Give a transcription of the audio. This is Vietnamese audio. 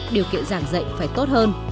điều kiện giảng dạy phải tốt hơn